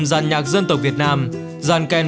giàn nhạc dân tộc việt nam giàn kèn